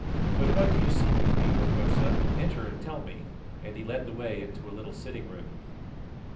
But what do you seek with me, Hokosa? Enter and tell me," and he led the way into a little sitting room.